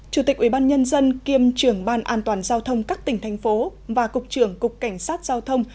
chủ tịch ubnd kiêm trưởng ban an toàn giao thông các tỉnh thành phố và cục trưởng cục cảnh sát giao thông